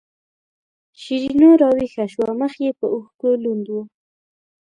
شیرینو راویښه شوه مخ یې په اوښکو لوند و.